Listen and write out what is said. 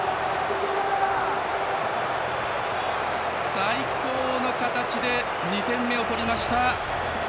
最高の形で２点目を取りました。